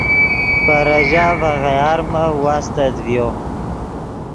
پے ریژہ ڤے غیارمف واستت ڤیو